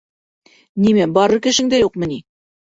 — Нимә, барыр кешең дә юҡмы ни?